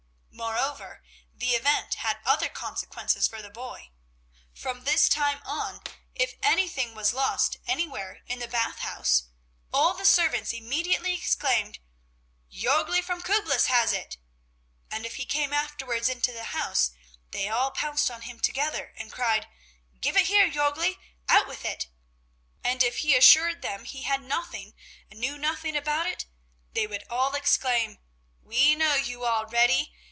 Moreover, the event had other consequences for the boy. From this time on, if anything was lost anywhere in the Bath House, all the servants immediately exclaimed: "Jörgli from Küblis has it!" and if he came afterwards into the house they all pounced on him together and cried: "Give it here, Jörgli! Out with it!" And if he assured them he had nothing and knew nothing about it, they would all exclaim: "We know you already!"